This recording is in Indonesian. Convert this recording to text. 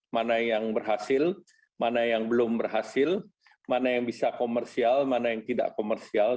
mana yang berhasil mana yang belum berhasil mana yang bisa komersial mana yang tidak komersial